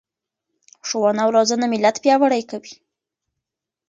ښوونه او روزنه ملت پیاوړی کوي.